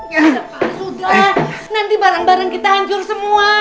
sudah pak sudah nanti barang barang kita hancur semua